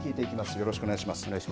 よろしくお願いします。